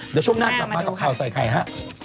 เดี๋ยวช่วงหน้ากลับมากับข่าวใส่ไข่ฮะ